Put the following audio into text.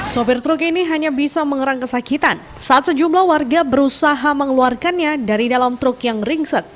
sopir truk ini hanya bisa mengerang kesakitan saat sejumlah warga berusaha mengeluarkannya dari dalam truk yang ringsek